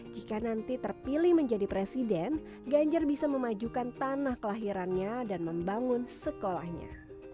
jika nanti terpilih menjadi presiden ganjar bisa memajukan tanah kelahirannya dan membangun sekolahnya